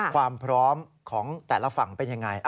ความพร้อมของแต่ละฝั่งเป็นยังไง